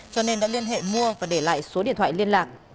cho nên đã liên hệ mua và để lại số điện thoại liên lạc